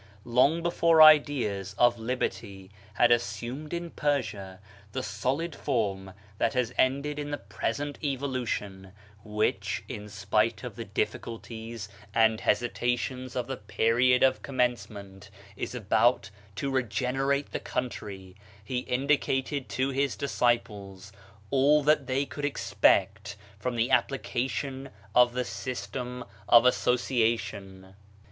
Long before ideas of liberty had assumed in Persia the solid form that has ended in the present evolu tion, which, in spite of the difficulties and hesitations of the period of commence ment, is about to regenerate the country, he indicated to his disciples all that they could expect from the application of the 1 Cp: BahaVllah, Hidden Words, pp. 42 and 45. 172 BAHAISM system of association.